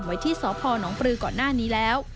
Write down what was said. ไว้ที่สพนปลือก่อนหน้านี้แล้ว